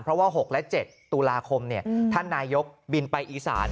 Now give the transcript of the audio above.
เพราะว่า๖และ๗ตุลาคมท่านนายกบินไปอีสาน